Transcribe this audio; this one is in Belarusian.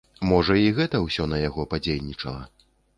Можа, і гэта ўсё на яго падзейнічала.